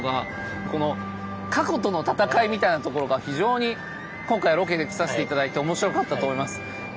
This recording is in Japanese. この過去との闘いみたいなところが非常に今回ロケで来させて頂いて面白かったと思います。